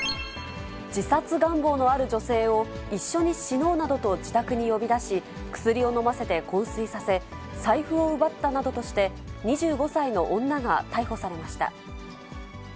自殺願望のある女性を、一緒に死のうなどと自宅に呼び出し、薬を飲ませてこん睡させ、財布を奪ったなどとして、２５歳の女が逮捕されました。